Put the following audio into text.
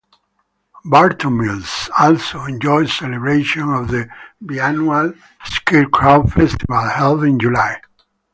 Barton Mills also enjoys celebration of the biannual Scarecrow Festival, held in July.